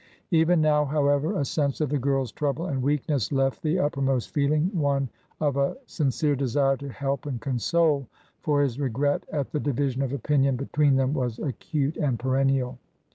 Even now, however, a sense of the girl's trouble and weakness left the uppermost feeling one of a sincere desire to help and console, for his regret at the division of opinion between them was acute and perennial.